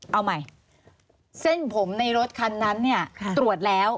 เอาใหม่เส้นผมในรถคันนั้นเนี่ยตรวจแล้ว